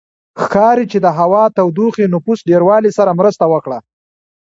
ښکاري چې د هوا تودوخې نفوس ډېروالي سره مرسته وکړه